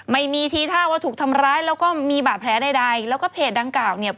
ไม่มีทีท่าว่าถูกทำร้ายแล้วก็มีบาดแผลใดใดแล้วก็เพจดังกล่าวเนี่ย